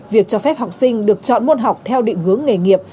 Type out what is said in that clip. việc cho phép học sinh được chọn môn học theo định hướng nghề nghiệp